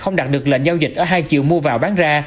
không đạt được lệnh giao dịch ở hai triệu mua vào bán ra